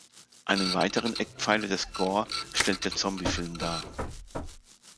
Einen weiteren Eckpfeiler des Gore stellt der Zombiefilm dar.